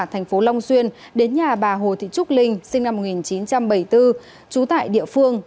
thành phố long xuyên đến nhà bà hồ thị trúc linh sinh năm một nghìn chín trăm bảy mươi bốn trú tại địa phương